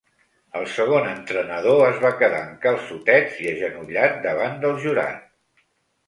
El segon entrenador es va quedar en calçotets i agenollat davant del jurat.